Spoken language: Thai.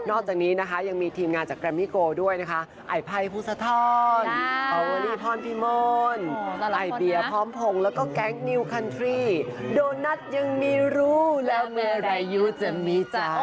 จากนี้นะคะยังมีทีมงานจากแรมมี่โกด้วยนะคะไอภัยภูสะธรอเวอรี่พรพิมอนไอเดียพร้อมพงศ์แล้วก็แก๊งนิวคันทรี่โดนัทยังมีรู้แล้วเมื่อไหรู่จะมีเจ้า